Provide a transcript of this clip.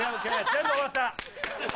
全部終わった。